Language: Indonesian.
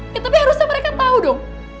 ya tapi harusnya mereka tau dong